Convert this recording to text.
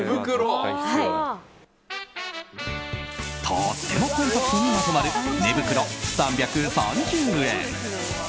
とってもコンパクトにまとまる寝袋、３３０円。